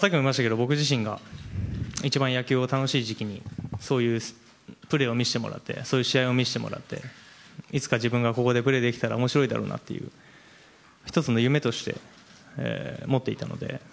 僕自身が一番野球を楽しい時期にそういうプレーを見せてもらってそういう試合を見せてもらっていつか自分がここでプレーできたら面白いだろうなという１つの夢として持っていたので。